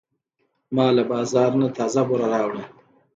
ما له بازار نه تازه بوره راوړه.